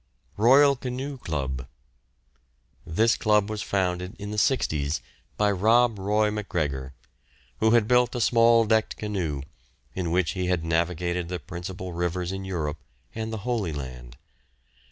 ROYAL CANOE CLUB. This club was founded in the 'sixties by "Rob Roy" Macgregor, who had built a small decked canoe, in which he had navigated the principal rivers in Europe and the Holy Land.